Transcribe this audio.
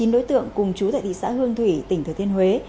chín đối tượng cùng chú tại thị xã hương thủy tỉnh thừa thiên huế